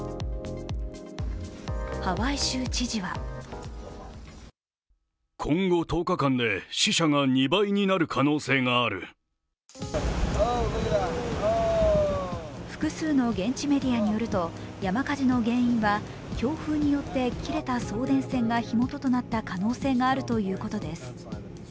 ハワイ州知事は複数の現地メディアによると山火事の原因は強風によって切れた送電線が火元となった可能性があるということです。